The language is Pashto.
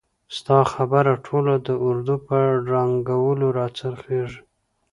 ستا خبره ټول د اردو په ړنګولو را څرخیږي!